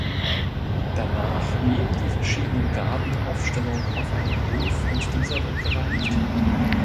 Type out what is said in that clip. Danach nehmen die verschiedenen Garden Aufstellung auf einem Hof und dieser wird gereinigt.